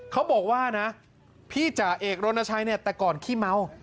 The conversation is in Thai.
เขาบอกว่านะพี่จ่าเอกรณชัยเนี่ยแต่ก่อนขี้เมา